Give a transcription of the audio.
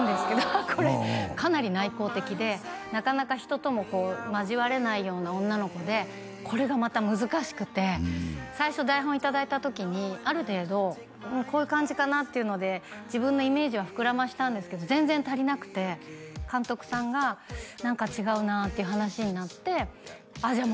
ああこれかなり内向的でなかなか人ともこう交われないような女の子でこれがまた難しくて最初台本いただいた時にある程度こういう感じかなっていうので自分のイメージは膨らましたんですけど全然足りなくて監督さんが何か違うなっていう話になってじゃあ